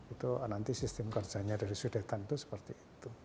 itu nanti sistem kerjanya dari sudetan itu seperti itu